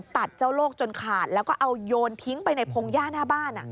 เจ้าโลกจนขาดแล้วก็เอาโยนทิ้งไปในพงหญ้าหน้าบ้าน